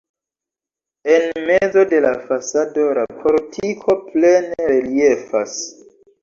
En mezo de la fasado la portiko plene reliefas.